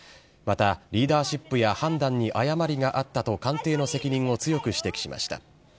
また、リーダーシップや判断に誤りがあったと官邸の責任を強く指摘しました。